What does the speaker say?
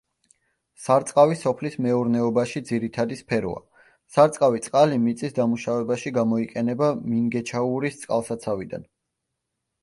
სარწყავი სოფლის მეურნეობაში ძირითადი სფეროა, სარწყავი წყალი მიწის დამუშავებაში გამოიყენება მინგეჩაურის წყალსაცავიდან.